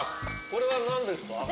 これは何ですか？